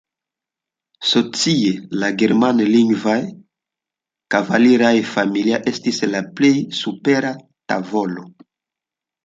Socie la germanlingvaj kavaliraj familioj estis la plej supera tavolo.